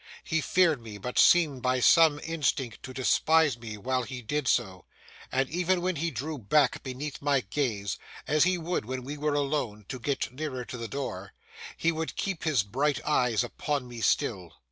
He feared me, but seemed by some instinct to despise me while he did so; and even when he drew back beneath my gaze—as he would when we were alone, to get nearer to the door—he would keep his bright eyes upon me still.